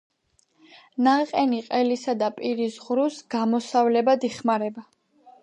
ნაყენი ყელისა და პირის ღრუს გამოსავლებად იხმარება.